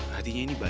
hatinya ini berat